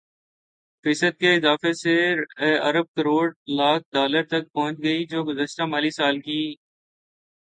فیصد کے اضافے سے ارب کروڑ لاکھ ڈالر تک پہنچ گئی جو گزشتہ مالی سال کی